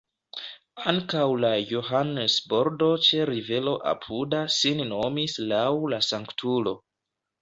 Ankaŭ la Johannes-bordo ĉe rivero apuda sin nomis laŭ la sanktulo.